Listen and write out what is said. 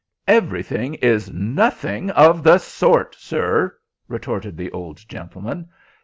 "Everything is nothing of the sort, sir!" retorted the old gentleman.